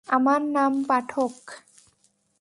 আমার নাম পাঠক।